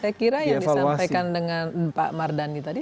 saya kira yang disampaikan dengan pak mardhani tadi